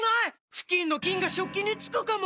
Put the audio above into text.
フキンの菌が食器につくかも⁉